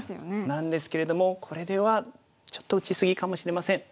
なんですけれどもこれではちょっと打ち過ぎかもしれません。